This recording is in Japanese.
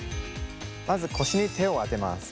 まず腰に手を当てます。